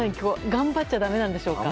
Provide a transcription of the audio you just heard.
頑張っちゃだめなんでしょうか？